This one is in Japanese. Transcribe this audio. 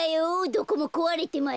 どこもこわれてません。